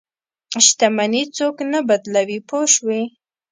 شتمني څوک نه بدلوي پوه شوې!.